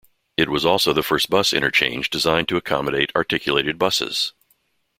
It was also the first bus interchange designed to accommodate articulated buses.